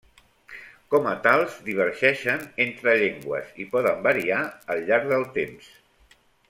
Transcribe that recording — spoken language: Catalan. Com a tals, divergeixen entre llengües i poden variar al llarg del temps.